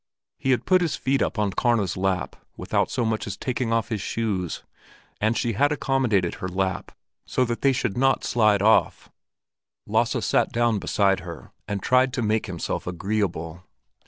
He had put his feet up on Karna's lap, without so much as taking off his shoes; and she had accommodated her lap, so that they should not slide off. Lasse sat down beside her and tried to make himself agreeable.